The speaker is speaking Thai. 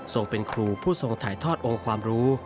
เป็นครูผู้ทรงถ่ายทอดองค์ความรู้